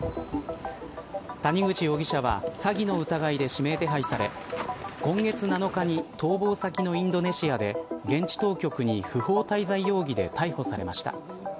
谷口容疑者は詐欺の疑いで指名手配され今月７日に逃亡先のインドネシアで現地当局に不法滞在容疑で逮捕されました。